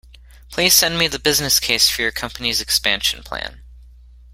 Please send me the business case for your company’s expansion plan